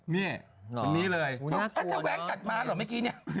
นี่เหมือนมีเลยฮะต้องแวะกัดมาเหรอเมื่อกี้นี่